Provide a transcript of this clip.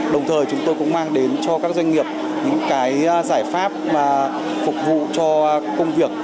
đồng thời chúng tôi cũng mang đến cho các doanh nghiệp những cái giải pháp mà phục vụ cho công việc